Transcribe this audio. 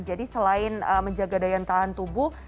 jadi selain menjaga daya tahan tubuh